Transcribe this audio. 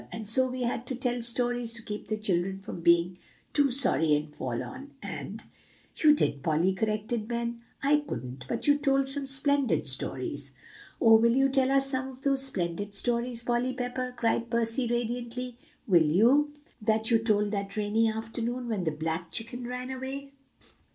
and so we had to tell stories to keep the children from being too sorry and forlorn, and" "You did, Polly," corrected Ben. "I couldn't; but you told some splendid stories." "Oh! will you tell us some of those splendid stories, Polly Pepper?" cried Percy radiantly. "Will you? that you told that rainy afternoon, when the black chicken ran away?"